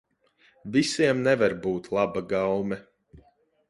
Visiem nevar būt laba gaume.